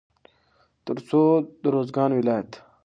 تر څو د روزګان ولايت